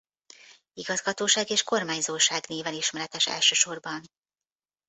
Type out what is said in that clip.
Igazgatóság és kormányzóság néven ismeretes elsősorban.